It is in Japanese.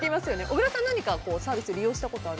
小倉さん何かサービス利用したことは？